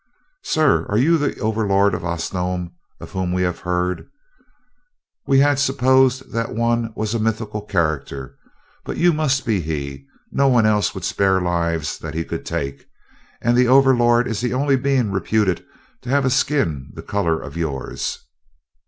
"Sir, are you the Overlord of Osnome, of whom we have heard? We had supposed that one was a mythical character, but you must be he no one else would spare lives that he could take, and the Overlord is the only being reputed to have a skin the color of yours."